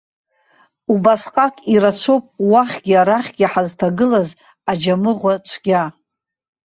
Убасҟак ирацәоуп уахьгьы-арахьгьы ҳазҭагылаз аџьамыӷәа-цәгьа.